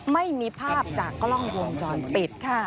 ไม่มีภาพจากกล้องวงจรปิดค่ะ